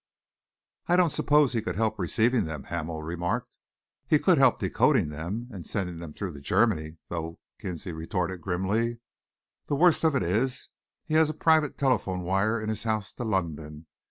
"I don't suppose he could help receiving them," Hamel remarked. "He could help decoding them and sending them through to Germany, though," Kinsley retorted grimly. "The worst of it is, he has a private telephone wire in his house to London.